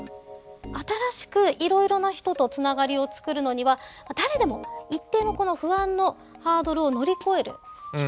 新しくいろいろな人とつながりを作るのには誰でも一定の不安のハードルを乗り越える必要があります。